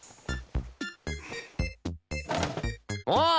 おい！